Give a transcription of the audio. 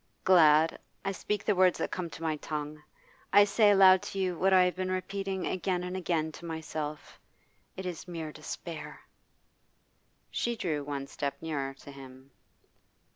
'Glad? I speak the words that come to my tongue. I say aloud to you what I have been repeating again and again to myself. It is mere despair.' She drew one step nearer to him.